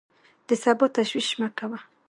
د سبا تشویش مه کوه!